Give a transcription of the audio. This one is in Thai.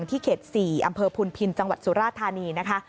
ที่เขต๔อำเภอพุนพินจังหวัดสุราธานีนะคะ